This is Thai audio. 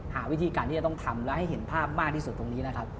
หาวิธีการที่จะต้องทำและให้เห็นภาพมากที่สุดตรงนี้นะครับ